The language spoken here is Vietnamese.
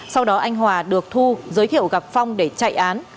sau đó anh hòa được thu giới thiệu gặp phong để chạy án